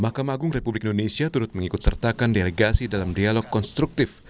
mahkamah agung republik indonesia turut mengikut sertakan delegasi dalam dialog konstruktif